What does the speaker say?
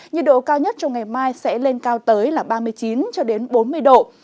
nhiệt độ cao nhất trong ngày mai sẽ lên cao tới là ba mươi chín cho đến bốn mươi độ